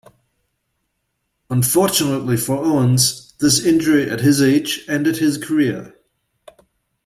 Unfortunately for Owens, this injury at his age ended his career.